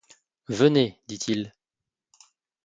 Venez, dit-il.